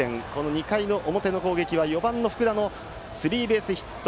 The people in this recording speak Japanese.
２回の表の攻撃は４番、福田のスリーベースヒット。